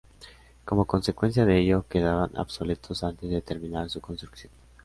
Como consecuencia de ello, quedaban obsoletos antes de terminar su construcción.